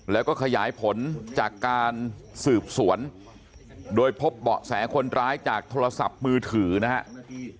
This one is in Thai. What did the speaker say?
แล้วก็ขยายผลจากการสืบสวนโดยพบเบาะแสคนร้ายจากโทรศัพท์มือถือนะครับ